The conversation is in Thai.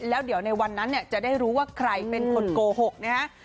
แล้วเดี๋ยวในวันนั้นเนี่ยจะได้รู้ว่าใครเป็นคนโกหกนะฮะ